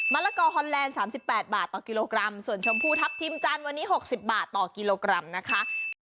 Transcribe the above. ละกอฮอนแลนด์๓๘บาทต่อกิโลกรัมส่วนชมพูทัพทิมจันทร์วันนี้๖๐บาทต่อกิโลกรัมนะคะ